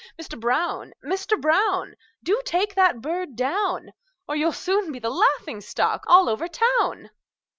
Mister Brown! Mister Brown! Do take that bird down, Or you'll soon be the laughing stock all over town!"